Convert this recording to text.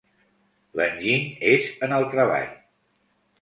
L'enginy és en el treball.